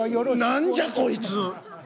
何じゃこいつ。